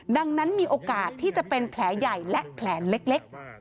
ดังนั้นมีโอกาสที่จะเป็นแผลใหญ่และแผลเล็ก